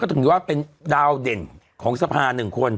ถือว่าเป็นดาวเด่นของสภาหนึ่งคน